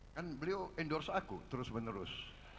kan beliau endorse aku terus menerus